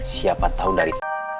siapa tau dari